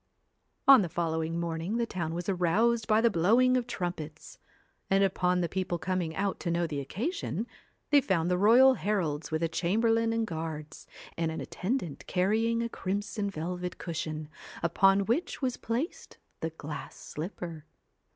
On the following morning the town was aroused by the blowing of trumpets, and, upon the people coming out to know the occasion, they found the royal heralds with a chamberlain and guards, and an attendant carrying a crimson velvet cushion, upon which was placed the glass slipper.